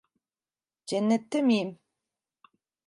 Cennette miyim?